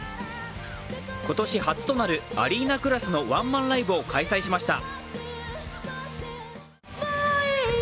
今年初となるアリーナクラスのワンマンライブを開催しました。